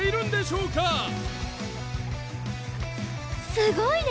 すごいね！